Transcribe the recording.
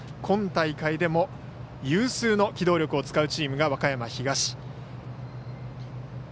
今大会でも有数の機動力を使うチームが和歌山東。